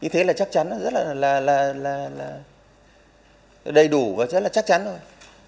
thế là chắc chắn rất là đầy đủ và rất là chắc chắn thôi